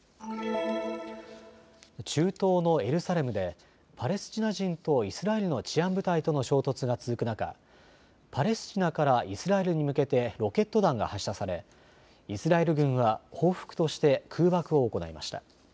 中東のエルサレムでパレスチナ人とイスラエルの治安部隊との衝突が続く中、パレスチナからイスラエルに向けてロケット弾が発射されイスラエル軍は報復として空爆を行いました。